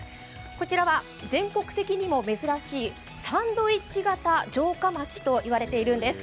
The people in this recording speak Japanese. こちらは全国的にも珍しいサンドイッチ型城下町といわれているんです。